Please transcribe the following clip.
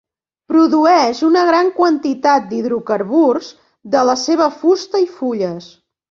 Produeix una gran quantitat d'hidrocarburs de la seva fusta i fulles.